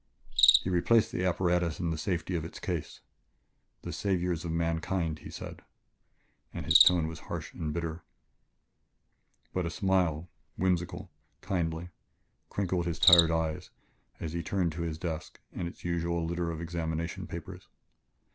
He replaced the apparatus in the safety of its case. "The saviors of mankind!" he said, and his tone was harsh and bitter. But a smile, whimsical, kindly, crinkled his tired eyes as he turned to his desk and its usual litter of examination papers.